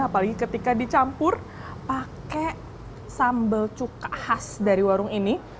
apalagi ketika dicampur pakai sambal cuka khas dari warung ini